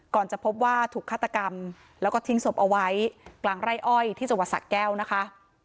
จะพบว่าถูกฆาตกรรมแล้วก็ทิ้งศพเอาไว้กลางไร่อ้อยที่จังหวัดสะแก้วนะคะ